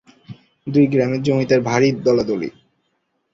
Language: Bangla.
দুই গ্রামের জমিদার ভারি দলাদলি।